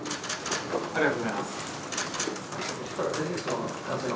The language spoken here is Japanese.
ありがとうございます。